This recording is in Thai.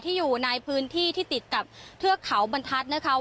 อยู่ในพื้นที่ที่ติดกับเทือกเขาบรรทัศน์นะคะ